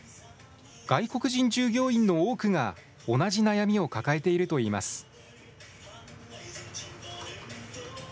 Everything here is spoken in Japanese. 外国人従業員の多くが、同じ悩みを抱えているといいます。